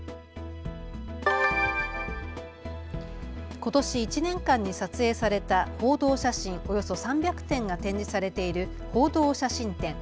ことし１年間に撮影された報道写真、およそ３００点が展示されている報道写真展。